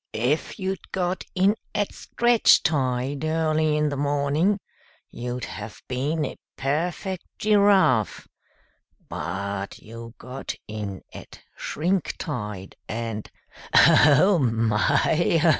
If you'd got in at stretch tide, early in the morning, you'd have been a perfect giraffe; but you got in at shrink tide and oh, my!